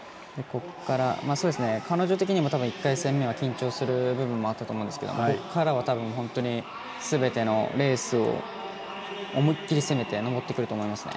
彼女的にも１回戦は緊張する部分もあったと思うんですけどここからは多分、本当にすべてのレースを思い切り攻めて登ってくると思いますね。